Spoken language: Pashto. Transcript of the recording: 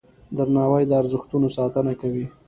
درناوی د ارزښتونو ساتنه کوي.